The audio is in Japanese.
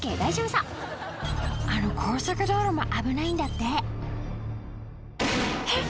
そうあの高速道路も危ないんだってえっ？